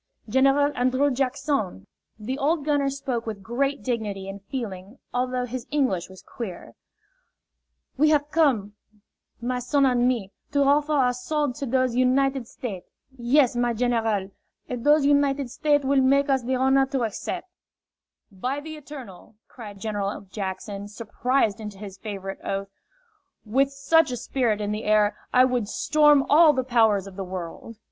"General An drrew Jack son," the old gunner jpoke with great dignity and feeling although his English was queer, "we haf come, my son an' me, to hoffer ou' swo'de to dose United State'. Yes, my general. If dose United State' will make us the honah to haccep'." "By the Eternal," cried General Jackson, surprised into his favorite oath, "with such a spirit in the air, I would storm all the powers of the world!"